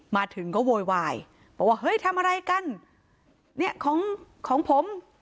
มาถึงก็โวยวายบอกว่าเฮ้ยทำอะไรกันเนี่ยของของผม